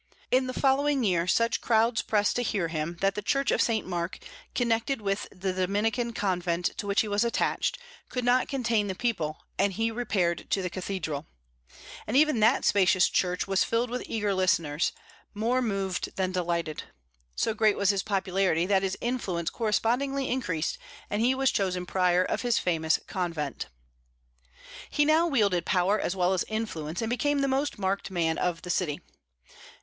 In the following year such crowds pressed to hear him that the church of St. Mark, connected with the Dominican convent to which he was attached, could not contain the people, and he repaired to the cathedral. And even that spacious church was filled with eager listeners, more moved than delighted. So great was his popularity, that his influence correspondingly increased and he was chosen prior of his famous convent. He now wielded power as well as influence, and became the most marked man of the city.